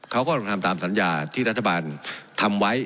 เขาก็ต้องทำตามสัญญาที่รัฐบาลทำไว้